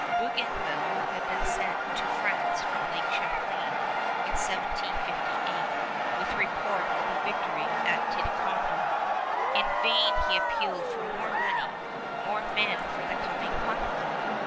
Bougainville had been sent to France from Lake Champlain in 1758 with report of the victory at Ticonderoga. In vain he appealed for more money, more men for the coming conflict!